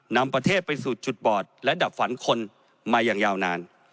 นำประเทศไปสู่จุดบอดและดับฝันคนมาอย่างยาวนาน